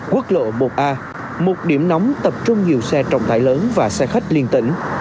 quốc lộ một a một điểm nóng tập trung nhiều xe trọng tải lớn và xe khách liên tỉnh